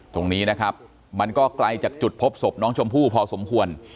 ตรงนี้นะครับมันก็ไกลจากจุดพบศพน้องชมพู่พอสมควร